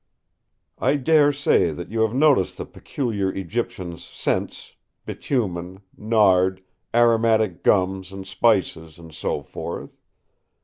I dare say that you have noticed the peculiar Egyptian scents, bitumen, nard, aromatic gums and spices, and so forth.